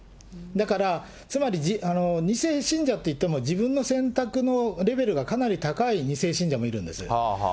だから、つまり２世信者といっても、自分の選択のレベルがかなり高い２世信者もいるんです。